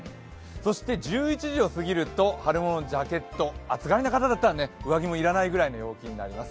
そして１１時を過ぎると春物のジャケット、暑がりな方だったら上着も要らないぐらいの陽気になります。